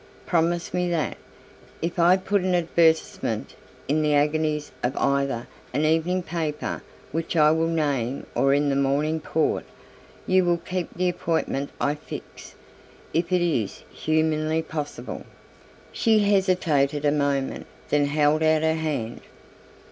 Promise me that, if I put an advertisement in the agonies of either an evening paper which I will name or in the Morning Port, you will keep the appointment I fix, if it is humanly possible." She hesitated a moment, then held out her hand.